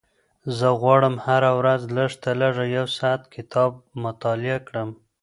زه غواړم هره ورځ لږترلږه یو ساعت کتاب مطالعه کړم.